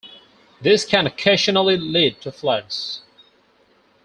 This can occasionally lead to floods.